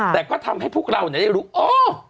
แต่ก็ทำให้พวกเราได้รู้โอ้